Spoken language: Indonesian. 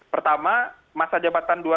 pertama masa jabatan